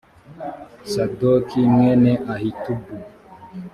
sadoki mwene ahitubu